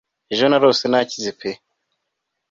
Ejo narose nakize pe